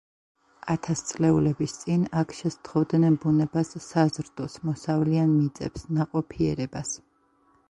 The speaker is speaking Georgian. ათასწლეულების წინ აქ შესთხოვდნენ ბუნებას საზრდოს, მოსავლიან მიწებს, ნაყოფიერებას.